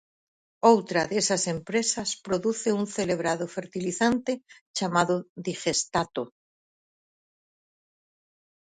Outra desas empresas produce un celebrado fertilizante chamado digestato.